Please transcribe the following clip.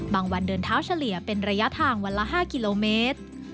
วันเดินเท้าเฉลี่ยเป็นระยะทางวันละ๕กิโลเมตร